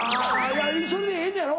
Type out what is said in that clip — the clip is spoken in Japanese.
いやそれでええねやろ？